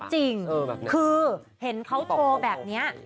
จริงคือเห็นเขาโทรแบบนี้